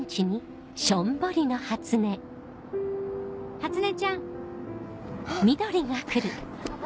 ・初音ちゃん・あっ！